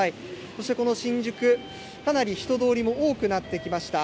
そしてこの新宿、かなり人通りも多くなってきました。